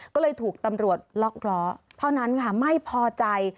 ก็เลยถูกตำรวจล็อกล้อเท่านั้นค่ะไม่พอใจ